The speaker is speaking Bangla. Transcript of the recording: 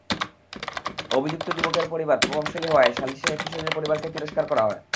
অভিযুক্ত যুবকের পরিবার প্রভাবশালী হওয়ায় সালিসে কিশোরীর পরিবারকে তিরস্কার করা হয়।